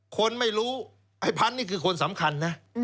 คนไม่รู้ไอ้พันธุ์นี่คือคนสำคัญนะ